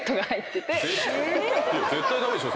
絶対駄目でしょ。